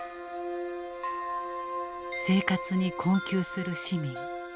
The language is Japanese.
生活に困窮する市民。